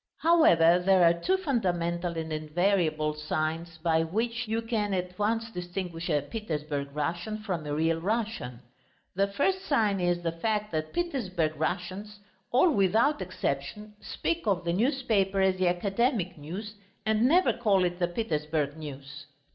However, there are two fundamental and invariable signs by which you can at once distinguish a Petersburg Russian from a real Russian. The first sign is the fact that Petersburg Russians, all without exception, speak of the newspaper as the Academic News and never call it the Petersburg News.